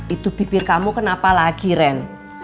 itu bibir kamu kenapa lagi ren